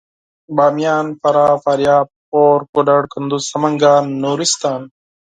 باميان فراه فاریاب غور کنړ کندوز سمنګان نورستان